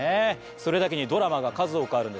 それだけにドラマが数多くあるんです。